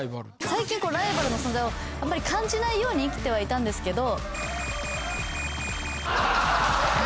最近こうライバルの存在をやっぱり感じないように生きてはいたんですけど。